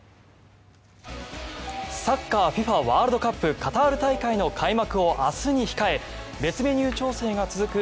サッカーＦＩＦＡワールドカップカタール大会の開幕を明日に控え別メニュー調整が続く